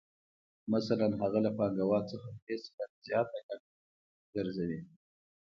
مثلاً هغه له پانګوال څخه درې سلنه زیاته ګټه ګرځوي